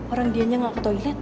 orang dianya nggak ke toilet